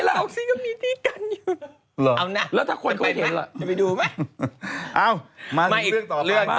อัพที่ไหน